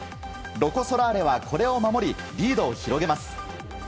ロコ・ソラーレはこれを守りリードを広げます。